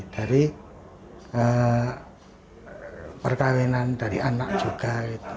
dari perkawinan dari anak juga